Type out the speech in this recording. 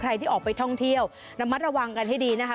ที่ออกไปท่องเที่ยวระมัดระวังกันให้ดีนะคะ